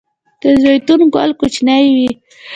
د زیتون ګل کوچنی وي؟